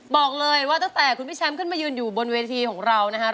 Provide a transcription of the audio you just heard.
บอกเลยว่าตั้งแต่คุณพี่แชมป์ขึ้นมายืนอยู่บนเวทีของเรานะครับ